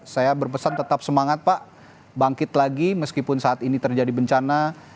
saya berpesan tetap semangat pak bangkit lagi meskipun saat ini terjadi bencana